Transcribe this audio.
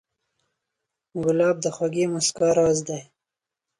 ګلاب د خوږې موسکا راز دی.